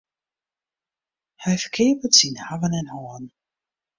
Hy ferkeapet syn hawwen en hâlden.